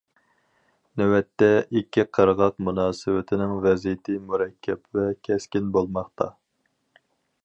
نۆۋەتتە، ئىككى قىرغاق مۇناسىۋىتىنىڭ ۋەزىيىتى مۇرەككەپ ۋە كەسكىن بولماقتا.